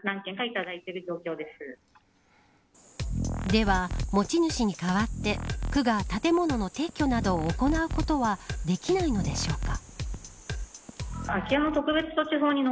では、持ち主に代わって区が建物の撤去などを行うことはできないのでしょうか。